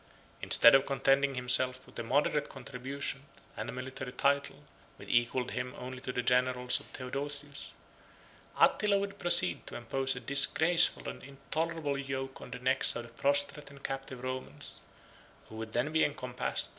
Instead of contenting himself with a moderate contribution, and a military title, which equalled him only to the generals of Theodosius, Attila would proceed to impose a disgraceful and intolerable yoke on the necks of the prostrate and captive Romans, who would then be encompassed, on all sides, by the empire of the Huns.